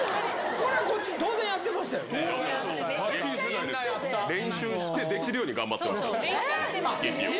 これ、こっち、当然やってま練習して、できるように頑張ってました、スケキヨ。